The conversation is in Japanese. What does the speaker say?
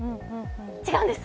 違うんです。